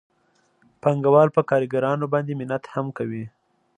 پانګوال په کارګرانو باندې منت هم کوي